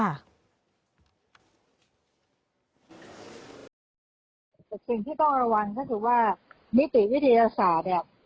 สิ่งที่ต้องระวังก็คือว่านิติวิทยาศาสตร์